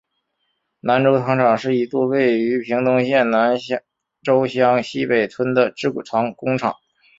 南州糖厂是一座位于屏东县南州乡溪北村的制糖工厂。